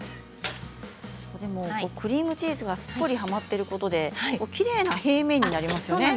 クリームチーズがすっぽりはまっていることできれいな平面になりますね。